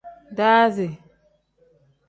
Daazi.